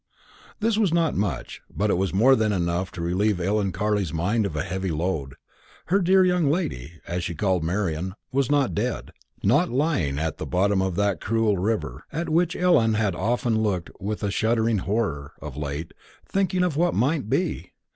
This was not much, but it was more than enough to relieve Ellen Carley's mind of a heavy load. Her dear young lady, as she called Marian, was not dead not lying at the bottom of that cruel river, at which Ellen had often looked with a shuddering horror, of late, thinking of what might be.